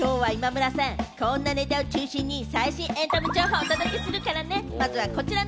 きょうは今村さん、こんなネタを中心に最新エンタメ情報をお届けするからね。